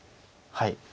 はい。